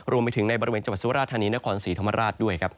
รวมไปถึงในบริเวณจังหวัดสุราธานีนครศรีธรรมราชด้วยครับ